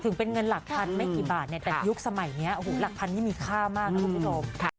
ถึงเป็นเงินหลักพันธุ์ไม่กี่บาทแต่ประยุกต์สมัยนี้หลักพันธุ์นี้มีค่ามากนะครับพี่โรม